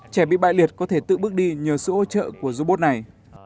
trẻ bị bại liệt có thể tự bước đi nhờ sự hỗ trợ của robot này